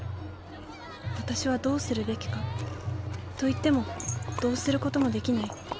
私はどうするべきか？といってもどうすることもできない。